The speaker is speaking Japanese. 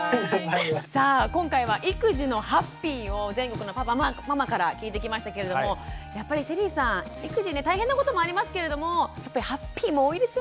さあ今回は育児のハッピーを全国のパパママから聞いてきましたけれどもやっぱりＳＨＥＬＬＹさん育児ね大変なこともありますけれどもやっぱりハッピーも多いですよね？